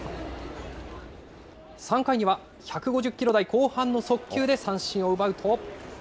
３回には１５０キロ台後半の速球で三振を奪うと。